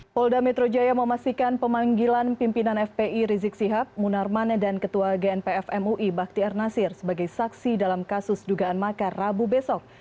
polda metro jaya memastikan pemanggilan pimpinan fpi rizik sihab munarman dan ketua gnpf mui baktiar nasir sebagai saksi dalam kasus dugaan makar rabu besok